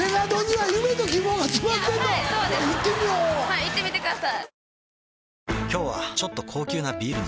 はい行ってみてください。